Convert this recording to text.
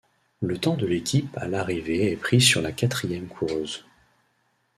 Le temps de l'équipe à l'arrivée est pris sur la quatrième coureuse.